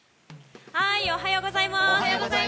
おはようございます。